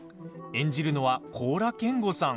演じるのは高良健吾さん。